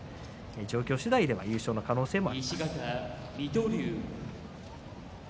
状況次第では優勝の可能性があります。